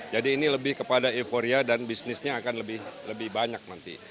jadi ini lebih kepada euforia dan bisnisnya akan lebih banyak nanti